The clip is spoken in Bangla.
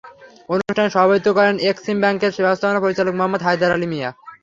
অনুষ্ঠানে সভাপতিত্ব করেন এক্সিম ব্যাংকের ব্যবস্থাপনা পরিচালক মোহাম্মদ হায়দার আলী মিয়া।